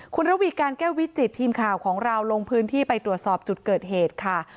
คุณระวีการแก้ววิจิตทีมข่าวของเราลงพื้นที่ไปตรวจสอบจุดเกิดเหตุค่ะ